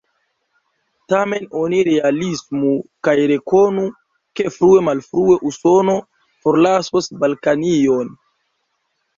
Tamen oni realismu kaj rekonu, ke frue malfrue Usono forlasos Balkanion.